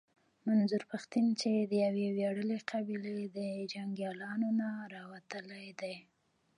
منظور پښتين چې د يوې وياړلې قبيلې د جنګياليانو نه راوتلی دی.